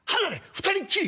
２人っきり！